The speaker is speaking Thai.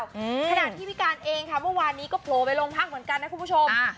ขนาดที่วิการเองค่ะเมื่อวานนี้ก็โผล่ไปลงพักเหมือนกันนะคุณผู้ชม